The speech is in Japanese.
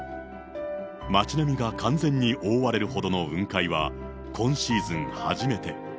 町並みが完全に覆われるほどの雲海は、今シーズン初め。